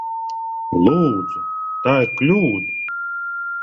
Lūdzu! Tā ir kļūda!